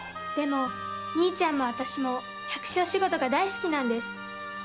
でも兄ちゃんもあたしも百姓仕事が大好きなんです。